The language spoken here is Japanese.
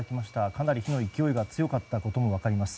かなり火の勢いが強かったことも分かります。